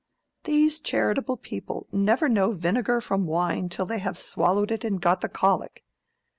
These charitable people never know vinegar from wine till they have swallowed it and got the colic.